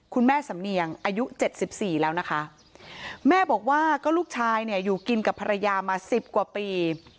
คุณแม่สำเนียงอายุ๗๔แล้วนะคะแม่บอกว่าก็ลูกชายเนี่ยอยู่กินกับภรรยามาสิบกว่าปี